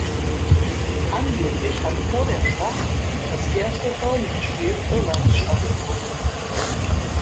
Angeblich hat vor der Schlacht das erste Hurling-Spiel Irlands stattgefunden.